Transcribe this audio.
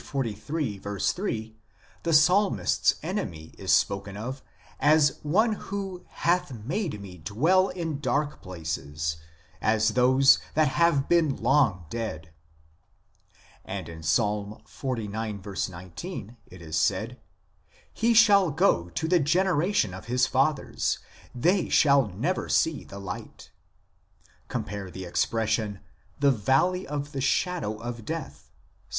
3 the psalmist s enemy is spoken of as one who " hath made me dwell in dark places, as those that have been long dead," andinPs. xlix. 19 (20 in Hebr.) it is said :" He shall go to the generation of his fathers, they shall never see the light "; cp. the expression " the valley of the shadow of death" (Ps.